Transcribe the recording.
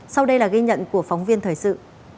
sau đây là ghi nhận của phóng viên thời sự